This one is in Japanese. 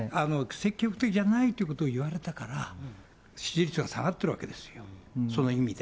積極的じゃないということを言われたから、支持率が下がってるわけですよ、その意味で。